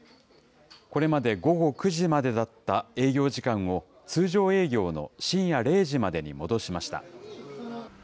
これまで午後９時までだった営業時間を、通常営業の深夜０時までに戻しました。